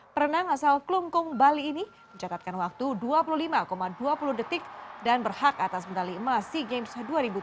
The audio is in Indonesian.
perenang asal klungkung bali ini mencatatkan waktu dua puluh lima dua puluh detik dan berhak atas medali emas sea games dua ribu tujuh belas